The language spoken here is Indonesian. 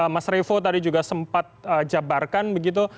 mas revo tadi juga sempat jabarkan begitu